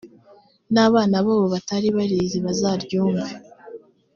n’abana babo batari barizi, bazaryumve,